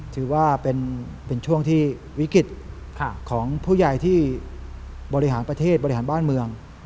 ถือว่าเป็นช่วงที่วิกฤตของผู้ใหญ่ที่บริหารประเทศบริหารบ้านเมือง